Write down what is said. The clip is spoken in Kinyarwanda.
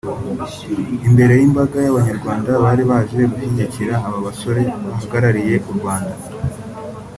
Imbere y’imbaga y’Abanyarwanda bari baje gushyigikira aba basore bahagarariye u Rwanda